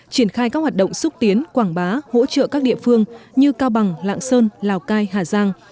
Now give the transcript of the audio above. triển khai các hoạt động xúc tiến quảng bá hỗ trợ các địa phương như cao bằng lạng sơn lào cai hà giang